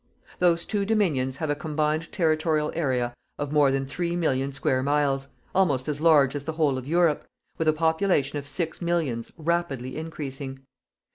Those two Dominions have a combined territorial area of more than 3,000,000 square miles almost as large as the whole of Europe with a population of six millions rapidly increasing.